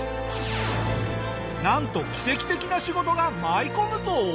なんと奇跡的な仕事が舞い込むぞ！